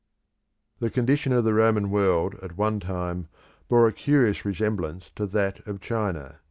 The condition of the Roman world at one time bore a curious resemblance to that of China.